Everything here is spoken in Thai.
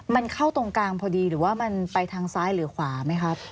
มันเข้าตรงกลางพอดีหรือว่ามันไปทางซ้ายหรือขวาไหมครับ